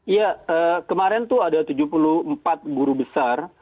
ya kemarin tuh ada tujuh puluh empat guru besar